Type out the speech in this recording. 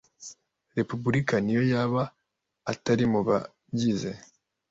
Repubulika n iyo yaba atari mu bagize